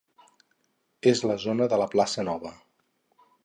És la zona de la Plaça Nova.